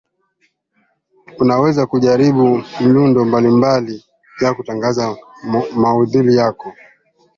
unaweza kujaribu miundo mbalimbali ya kutangaza maudhui yako